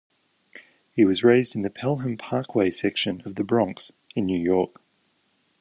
He was raised in the Pelham Parkway section of the Bronx, in New York.